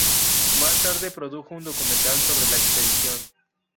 Más tarde produjo un documental sobre la expedición.